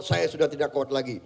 saya sudah tidak kuat lagi